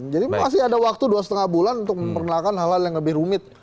jadi masih ada waktu dua lima bulan untuk mengenalkan hal hal yang lebih rumit